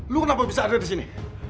lu kenapa bisa ada disini